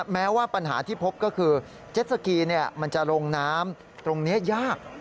แม้ว่าปัญหาที่พบก็คือเจ็ดสกีมันจะลงน้ำตรงนี้ยาก